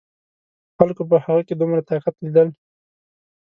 خلکو په هغه کې دومره طاقت لیدل.